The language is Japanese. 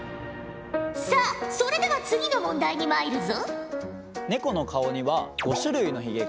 さあそれでは次の問題にまいるぞ！